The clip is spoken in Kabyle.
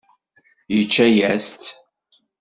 Yečča-as-tt.